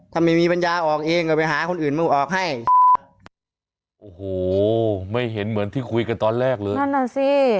ถ้าไม่มีปัญญาออกเองก็ไปหาคนอื่นมึงออกให้โอ้โหไม่เห็นเหมือนที่คุยกันตอนแรกเลยนั่นน่ะสิ